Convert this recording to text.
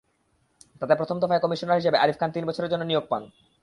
তাতে প্রথম দফায় কমিশনার হিসেবে আরিফ খান তিন বছরের জন্য নিয়োগ পান।